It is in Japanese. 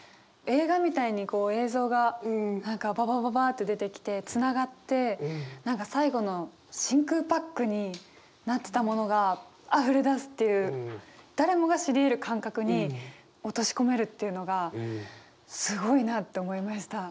映画みたいに映像がばばばばっと出てきてつながって何か最後の真空パックになってたものが溢れ出すっていう誰もが知り得る感覚に落とし込めるというのがすごいなって思いました。